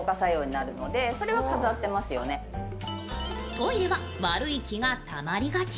トイレは悪い気がたまりがち。